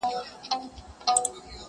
ښار کرار کړي له دې هري شپې یرغله؛